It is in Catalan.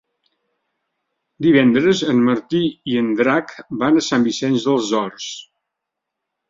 Divendres en Martí i en Drac van a Sant Vicenç dels Horts.